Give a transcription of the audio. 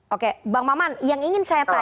oke bang maman yang ingin saya tanya